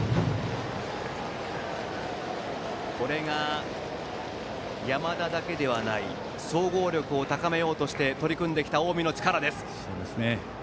これが山田だけではない総合力を高めようとして取り組んできた近江の力です。